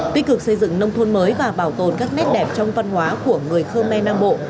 tích cực xây dựng nông thôn mới và bảo tồn các nét đẹp trong văn hóa của người khơ me nam bộ